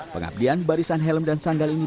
pengabdian barisan helm dan sanggal ini